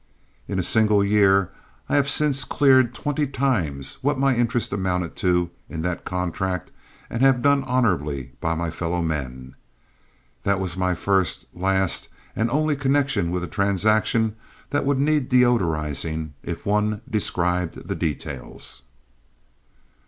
In a single year I have since cleared twenty times what my interest amounted to in that contract and have done honorably by my fellowmen. That was my first, last, and only connection with a transaction that would need deodorizing if one described the details.